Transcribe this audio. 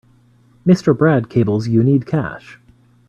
Mr. Brad cables you need cash.